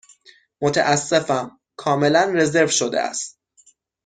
متأسفم، کاملا رزرو شده است.